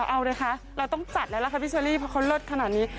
เอาเลยค่ะเราต้องจัดแล้วล่ะค่ะพี่เชอรี่เพราะเขาเลิศขนาดนี้